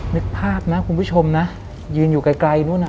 นึกภาพนะคุณผู้ชมนะยืนอยู่ไกลนู้นอ่ะ